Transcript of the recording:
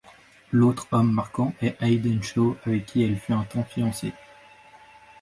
L’autre homme marquant est Aidan Shaw, avec qui elle fut un temps fiancée.